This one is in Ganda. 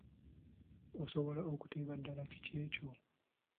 Osobola okuteeba ddala kiki ekyo?